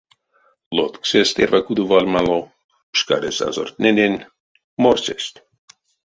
Лотксесть эрьва кудо вальмалов, пшкалесть азортнэнень, морсесть.